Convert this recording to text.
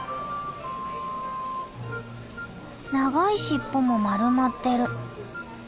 長い尻尾も丸まってる。